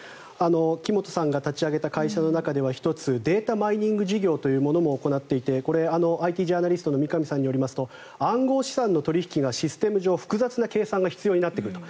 木本さんが立ち上げた会社の中では１つ、データマイニング事業というものも行っていてこれ、ＩＴジャーナリストの三上さんによりますと暗号資産の取引がシステム上、複雑な計算が必要になってくると。